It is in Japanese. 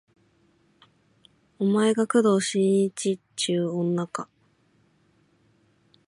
お前が工藤新一っちゅう女か